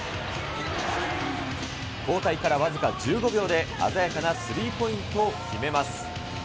交代から僅か１５秒で、鮮やかなスリーポイントを決めます。